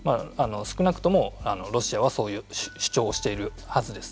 少なくともロシアはそういう主張をしているはずです。